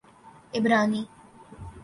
عبرانی